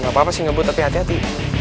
gapapa sih ngebut tapi hati hati